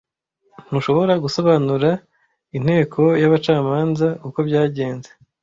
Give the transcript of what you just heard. Ntushobora gusobanurira inteko y'abacamanza uko byagenze?